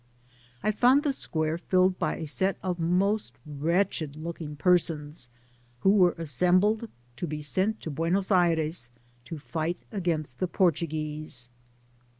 I found the square filled by a set of most wretched looking persons, who were assembled to be sent to Buenos Aires to fight against the Brazilians.